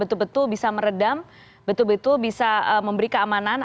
atau bisa diberikan keamanan